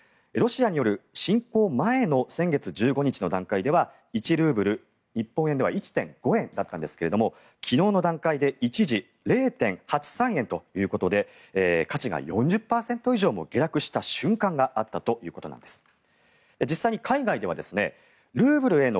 ロシアによる侵攻前の先月１５日の段階では１ルーブル、日本円では１．５円だったんですが昨日の段階で一時、０．８３円ということで価値が４０％以上も下落した瞬間があったということです。